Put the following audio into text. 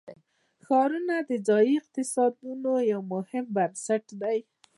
ښارونه د ځایي اقتصادونو یو مهم بنسټ دی.